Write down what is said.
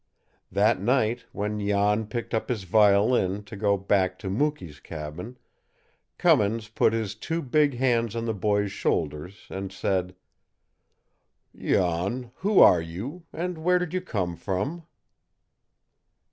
That night, when Jan picked up his violin to go back to Mukee's cabin, Cummins put his two big hands on the boy's shoulders and said: "Jan, who are you, and where did you come from?"